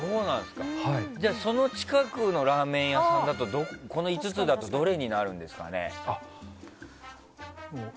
じゃあ、その近くのラーメン屋さんだとこの５つだとどれになるんですかね？